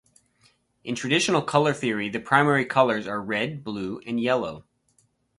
In traditional colour theory the primary colours are red, blue and yellow.